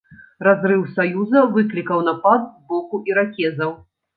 Разрыў саюза выклікаў напад з боку іракезаў.